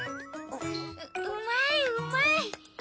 ううまいうまい。